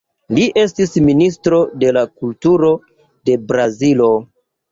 Li estis ministro de Kulturo de Brazilo.